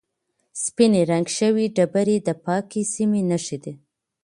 سپینې رنګ شوې ډبرې د پاکې سیمې نښې دي.